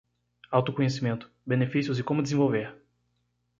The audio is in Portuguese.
Autoconhecimento: benefícios e como desenvolver